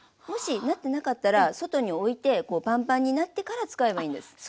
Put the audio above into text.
もしなってなかったら外においてパンパンになってから使えばいいんです。